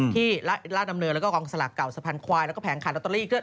ที่ราชดำเนินแล้วก็กองสลากเก่าสะพานควายแล้วก็แผงขายลอตเตอรี่